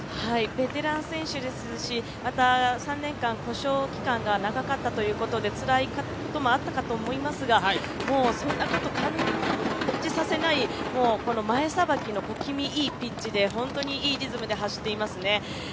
ベテラン選手ですし３年間、故障期間が長かったということでつらいこともあったかと思いますが、もうそんなこと感じさせない前さばきの小気味いいピッチで、本当にいいリズムで走っていますね。